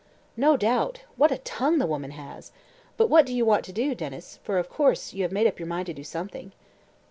"No doubt; what a tongue the woman has! But what do you want to do, Denys, for, of course, you have made up your mind to do something?"